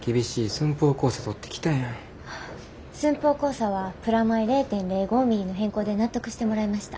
寸法公差はプラマイ０．０５ミリの変更で納得してもらいました。